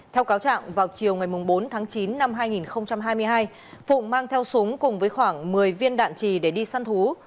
theo cáo trạng vào chiều ngày bốn tháng chín năm hai nghìn hai mươi hai phụng mang theo súng cùng với khoảng một mươi viên đạn trì để đi săn thú